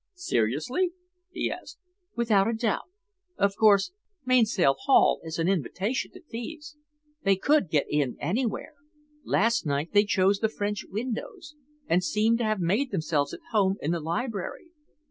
"Seriously?" he asked. "Without a doubt. Of course, Mainsail Haul is an invitation to thieves. They could get in anywhere. Last night they chose the French windows and seem to have made themselves at home in the library."